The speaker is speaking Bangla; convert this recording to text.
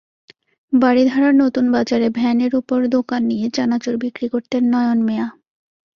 বারিধারার নতুন বাজারে ভ্যানের ওপর দোকান দিয়ে চানাচুর বিক্রি করতেন নয়ন মিয়া।